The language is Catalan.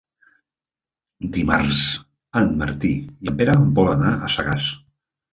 Dimarts en Martí i en Pere volen anar a Sagàs.